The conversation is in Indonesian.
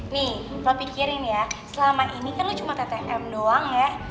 nih lo pikirin ya selama ini kan lo cuma ttm doang ya